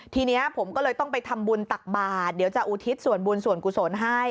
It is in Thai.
ทีนี้ผมก็เลยต้องไปทำบุญตักบาทเดี๋ยวจะอุทิศส่วนบุญส่วนกุศลให้